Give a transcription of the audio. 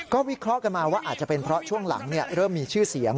ก็วิเคราะห์กันมาว่าอาจจะเป็นเพราะช่วงหลังเริ่มมีชื่อเสียง